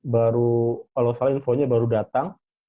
baru kalau salah infonya baru datang